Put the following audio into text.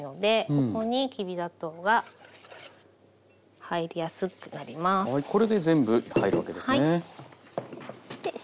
これで全部入るわけですね。